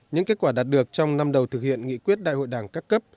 những kết quả đạt được trong năm đầu thực hiện nghị quyết đại hội đảng các cấp